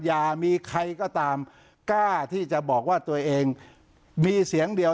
อย่ามีใครก็ตามกล้าที่จะบอกว่าตัวเองมีเสียงเดียว